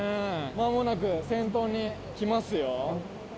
まもなく先頭に来ますよ。